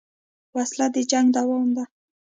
وسله د جنګ دوام ده